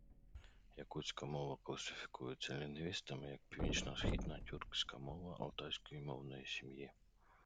Якутська мова класифікується лінгвістами як північно-східна тюркська мова алтайської мовної сім'ї.